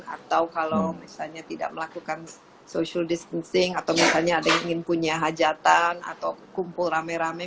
atau kalau misalnya tidak melakukan social distancing atau misalnya ada yang ingin punya hajatan atau kumpul rame rame